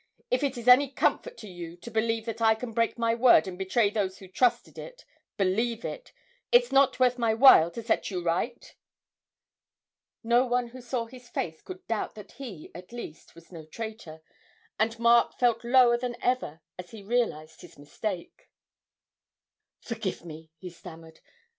'If it is any comfort to you to believe that I can break my word and betray those who trusted it, believe it it's not worth my while to set you right?' No one who saw his face could doubt that he, at least, was no traitor; and Mark felt lower than ever as he realised his mistake. 'Forgive me!' he stammered.